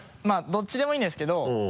どっちでもいいんですけど。